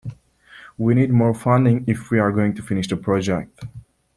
We need more funding if we're going to finish the project.